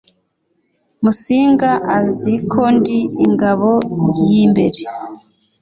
musinga azi ko ndi ingabo y’imbere